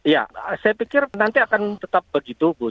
ya saya pikir nanti akan tetap begitu